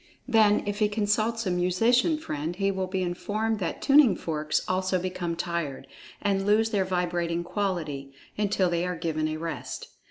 Then, if he consults a musician friend, he will be informed that tuning forks also become tired, and lose their vibrating quality, until they are given a rest.